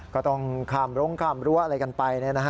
ก็ต้องข้ามร้งข้ามรั้วอะไรกันไป